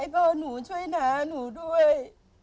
พ่อหนูช่วยน้าหนูด้วย